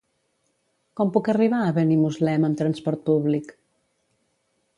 Com puc arribar a Benimuslem amb transport públic?